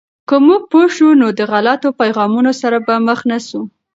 که موږ پوه شو، نو د غلطو پیغامونو سره به مخ نسو.